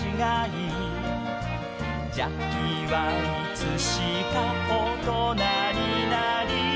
「ジャッキーはいつしか大人になり」